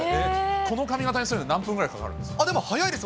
この髪形にするの何分ぐらいかかるんですか？